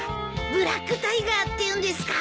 ブラックタイガーっていうんですか？